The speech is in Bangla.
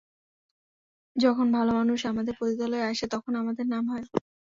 যখন ভালো মানুষ আমাদের পতিতালয়ে আসে তখন আমাদের নাম হয়।